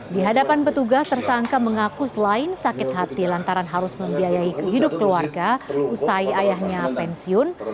di hadapan petugas tersangka mengaku selain sakit hati lantaran harus membiayai kehidupan keluarga usai ayahnya pensiun